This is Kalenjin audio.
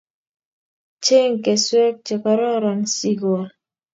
Cheng keswek chekororon sikol